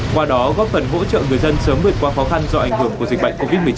qua đó góp phần hỗ trợ người dân sớm vượt qua khó khăn do ảnh hưởng của dịch bệnh covid một mươi chín